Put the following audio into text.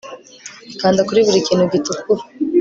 ikanda kuri buri kintu gitukura